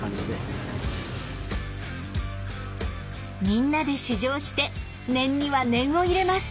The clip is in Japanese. みんなで試乗して念には念を入れます。